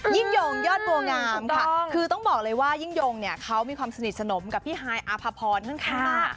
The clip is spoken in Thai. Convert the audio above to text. ยิ่งยงยอดบัวงามค่ะคือต้องบอกเลยว่ายิ่งยงเนี่ยเขามีความสนิทสนมกับพี่ฮายอาภพรข้างมาก